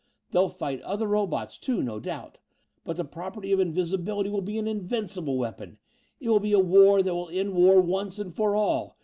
They'll fight other robots too, no doubt, but the property of invisibility will be an invincible weapon. It will be a war that will end war once and for all.